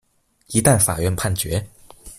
一旦法院判決